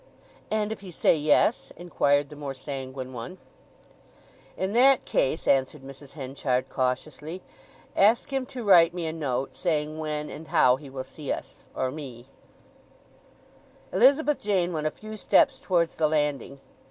"And if he say yes?" inquired the more sanguine one. "In that case," answered Mrs. Henchard cautiously, "ask him to write me a note, saying when and how he will see us—or me." Elizabeth Jane went a few steps towards the landing.